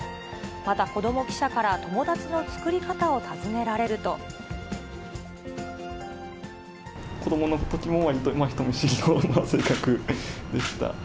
また子ども記者から、子どものときも、わりと人見知りな性格でした。